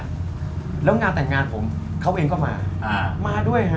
บ๊วยบ๊วยแล้วกับตงานผมเขาก็มาด้วยฮะ